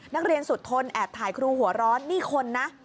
นักเรียนสุดทนแอบถ่ายครูหัวร้อนนี่คนนะ